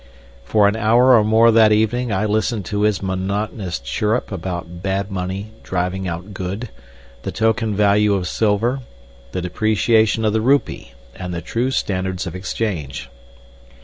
For an hour or more that evening I listened to his monotonous chirrup about bad money driving out good, the token value of silver, the depreciation of the rupee, and the true standards of exchange.